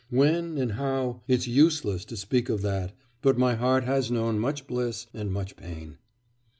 When and how? it's useless to speak of that; but my heart has known much bliss and much pain....